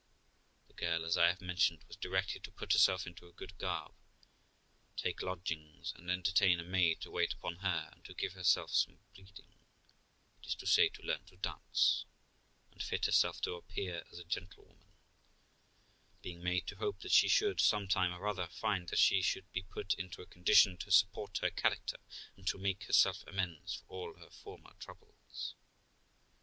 The girl, as I have mentioned, was directed to put herself into a good garb, take lodgings, and entertain a maid to wait upon her, and to give herself some breeding that is to say, to learn to dance, and fit herself to appear as a gentlewoman; being made to hope that she should, some time or other, find that she should be put into a condition to support her character, and to make her self amends for all her former troubles.